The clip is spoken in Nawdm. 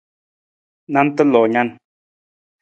Nanta loo nan.